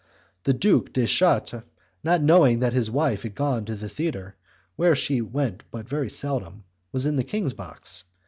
The Duke de Chartres, not knowing that his wife had gone to the theatre, where she went but very seldom, was in the king's box.